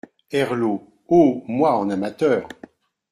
Herlaut. — Oh ! moi, en amateur !